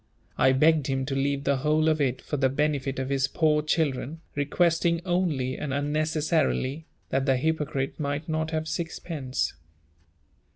I begged him to leave the whole of it for the benefit of his poor children, requesting only, and unnecessarily, that the hypocrite might not have sixpence.